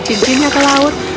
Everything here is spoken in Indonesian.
cincinnya ke laut